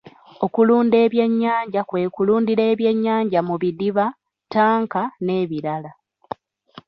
Okulunda ebyennyanja kwe kulundira ebyennyanja mu bidiba, ttanka n'ebirala.